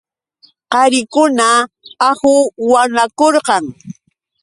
Qarikuna ahuwanakurqan.